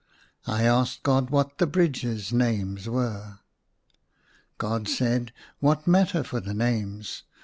I asked God what the bridges' names were. God said, " What matter for the names